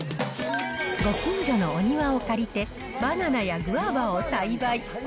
ご近所のお庭を借りて、バナナやグァバを栽培。